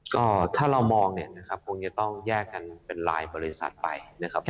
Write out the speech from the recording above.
ก็ถ้าเรามองเนี่ยนะครับคงจะต้องแยกกันเป็นลายบริษัทไปนะครับ